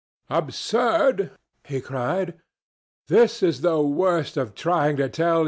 "Absurd!" he cried. "This is the worst of trying to tell.